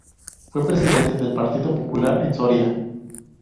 Fue presidente del Partido Popular en Soria.